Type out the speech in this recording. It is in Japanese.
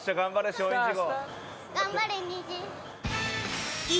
松陰寺号